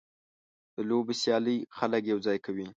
د لوبو سیالۍ خلک یوځای کوي.